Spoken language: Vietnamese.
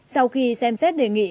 sau khi xem xét đề nghị